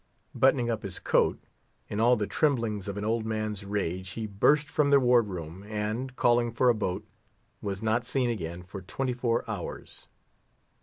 Buttoning up his coat, in all the tremblings of an old man's rage he burst from the ward room, and, calling for a boat, was not seen again for twenty four hours.